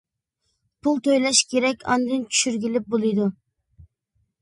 پۇل تۆلەش كېرەك، ئاندىن چۈشۈرگىلى بولىدۇ.